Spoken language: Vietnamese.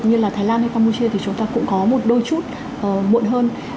như là thái lan hay campuchia thì chúng ta cũng có một đôi chút muộn hơn